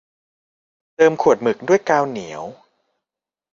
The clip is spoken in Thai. เติมขวดหมึกด้วยกาวเหนียว